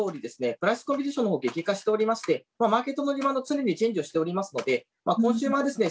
プライスコンペティションのほう激化しておりましてマーケットのリバウンド常にチェンジをしておりますのでコンシューマーですね